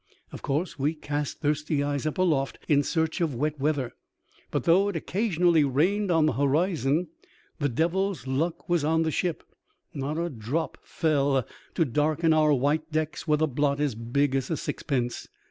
Of course we cast thirsty eyes up aloft in search of wet weather ; but though it occasionally rained on the horizon, the devil's luck was on the ship; not a drop fell to darken our white decks with a blot as big as a sixpence.